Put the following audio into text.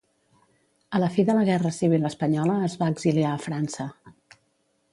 A la fi de la guerra civil espanyola es va exiliar a França.